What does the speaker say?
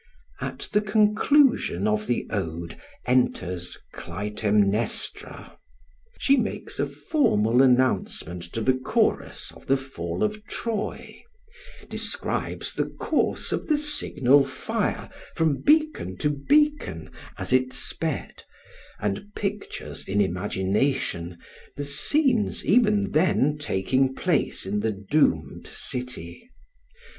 At the conclusion of the ode enters Clytemnestra. She makes a formal announcement to the chorus of the fall of Troy; describes the course of the signal fire from beacon to beacon as it sped, and pictures in imagination the scenes even then taking place in the doomed city.